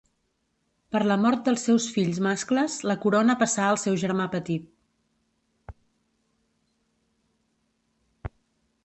Per la mort dels seus fills mascles la corona passà al seu germà petit.